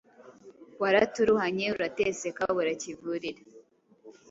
waraturuhanye, urateseka ubura kivurira,